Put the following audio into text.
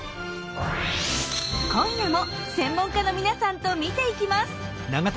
今夜も専門家の皆さんと見ていきます。